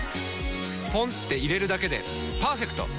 ポンって入れるだけでパーフェクト！